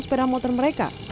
sepeda motor mereka